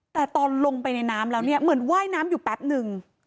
แต่ตอนลงไปในน้ำแล้วเนี่ยเหมือนว่ายน้ำอยู่แป๊บนึง